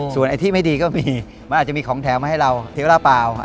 ส่วนไอ้ที่ไม่ดีก็มีมันอาจจะมีของแถมมาให้เราเสียเวลาเปล่า